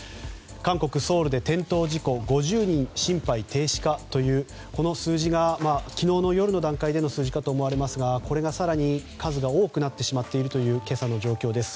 韓国ソウルで転倒事故５０人心肺停止かというこの数字が昨日の夜の段階での数字かと思われますがこれが更に数が多くなってしまっているという今朝の状況です。